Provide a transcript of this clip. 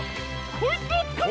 こいつをつかまえ。